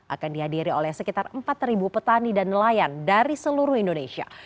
akan dihadiri oleh sekitar empat petani dan nelayan dari seluruh indonesia